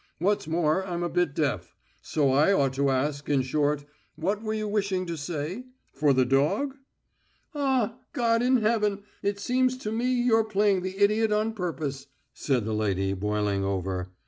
What's more, I'm a bit deaf ... so I ought to ask, in short, what were you wishing to say?... For the dog?..." "Ah, God in heaven! It seems to me you're playing the idiot on purpose," said the lady, boiling over.